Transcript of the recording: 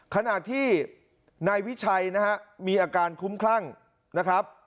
ขณะที่นายวิชัยนะฮะมีอาการคุ้มคลั่งนะครับ